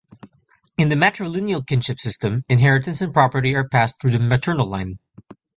In the matrilineal kinship system, inheritance and property are passed through the maternal line.